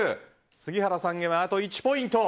杉原さんには、あと１ポイント。